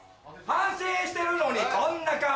反省してるのにこんな顔！